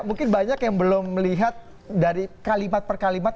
mungkin banyak yang belum melihat dari kalimat per kalimat